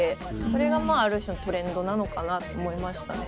それがある種のトレンドなのかなと思いましたね。